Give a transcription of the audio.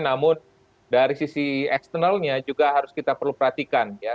namun dari sisi eksternalnya juga harus kita perlu perhatikan ya